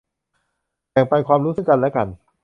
แบ่งปันความรู้ซึ่งกันและกัน